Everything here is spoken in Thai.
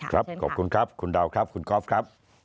ครับขอบคุณครับคุณดาวขอบคุณกอฟครับ